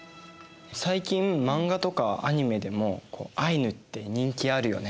最近漫画とかアニメでもアイヌって人気あるよね。